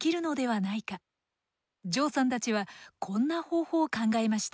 ジョウさんたちはこんな方法を考えました。